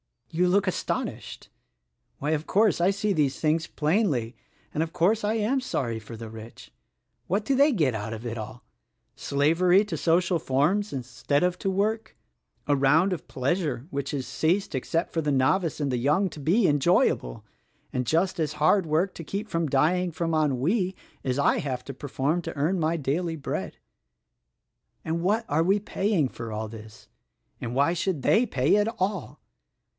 You look astonished ! Why, of course, I see these things plainly, and, of course I am sorry for the rich. What do they get out of it all? Slavery to social forms instead of to work; a round of pleasure which has ceased, except for the novice and the young, to be enjoyable, and just as hard work to keep from dying from ennui as I have to perform to earn my daily bread. "And what are they paying for all this ?— and why should they pay at all?